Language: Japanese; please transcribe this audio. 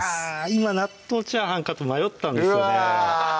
今「納豆チャーハン」かと迷ったんですよね